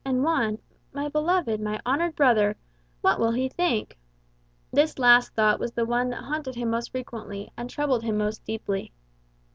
And Juan, my beloved, my honoured brother what will he think?" This last thought was the one that haunted him most frequently and troubled him most deeply.